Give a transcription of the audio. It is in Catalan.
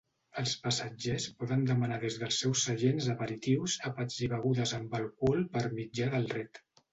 Els passatgers poden demanar des dels seus seients aperitius, àpats i begudes amb alcohol per mitjà del "Red".